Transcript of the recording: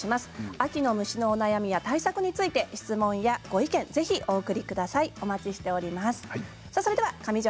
秋の虫のお悩みや対策について質問やご意見をぜひお送りください。